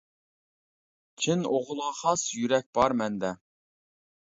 چىن ئوغۇلغا خاس، يۈرەك بار مەندە.